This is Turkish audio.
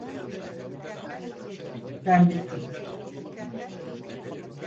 Ben bittim!